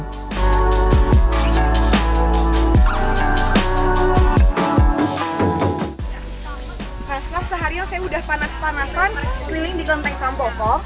setelah seharian saya sudah panas panasan keliling di kelenteng sampokong